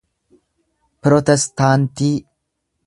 pirotestaantii